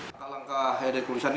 langkah langkah ada di kulisan ini